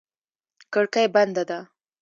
کړکۍ بنده ده.